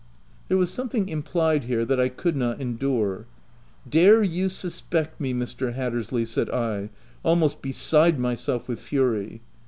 '* There was something implied here that I could not endure. " Dare you suspect me, Mr. Hattersley ?" said I, almost beside myself with fury.